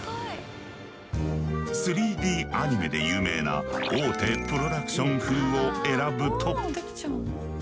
３Ｄアニメで有名な大手プロダクション風を選ぶと。